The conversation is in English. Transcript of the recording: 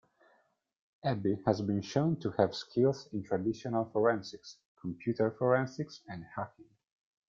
Abby has been shown to have skills in traditional forensics, computer forensics, and hacking.